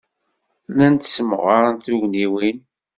Llant ssemɣarent tugniwin.